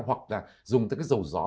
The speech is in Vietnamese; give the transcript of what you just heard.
hoặc là dùng tới cái dầu gió